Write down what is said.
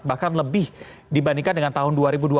bahkan lebih dibandingkan dengan tahun dua ribu dua puluh